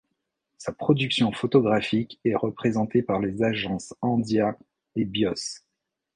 Sa production photographique est représentée par les agences Andia et Bios.